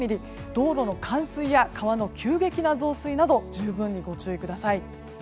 道路の冠水や川の急激な増水など十分にご注意ください。